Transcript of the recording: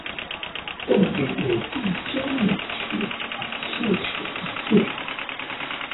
东魏武定七年属南司州。